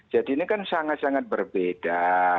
jadi ini kan sangat sangat berbeda